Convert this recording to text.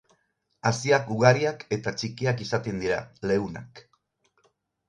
Haziak ugariak eta txikiak izaten dira, leunak.